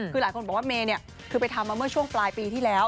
คือหลายคนบอกว่าเมย์คือไปทำมาเมื่อช่วงปลายปีที่แล้ว